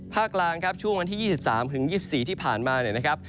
ภาคลางครับช่วงวันที่๒๓๒๔ที่ผ่านมานะครับ